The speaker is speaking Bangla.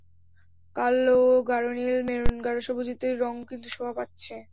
কালো, গাঢ় নীল, মেরুন, গাঢ় সবুজ ইত্যাদি রংও কিন্তু শোভা পাচ্ছে।